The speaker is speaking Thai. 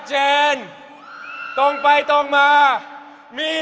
หมอบอพเฟโมไกร